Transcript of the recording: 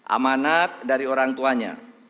amanat dari orang tuanya